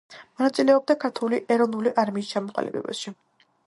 მონაწილეობდა ქართული ეროვნული არმიის ჩამოყალიბებაში.